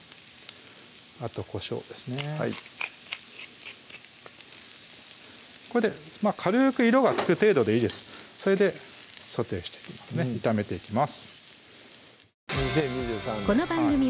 あとこしょうですねはいこれで軽く色がつく程度でいいですそれでソテーしていきますね炒めていきます